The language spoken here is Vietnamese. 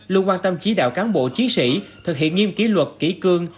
luôn quan tâm chỉ đạo cán bộ chiến sĩ thực hiện nghiêm ký luật kỹ cương